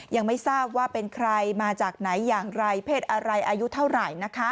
ยังไม่ทราบว่าเป็นใครมาจากไหนอย่างไรเพศอะไรอายุเท่าไหร่